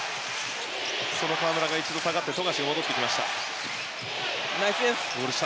河村が一度下がって富樫が戻ってきました。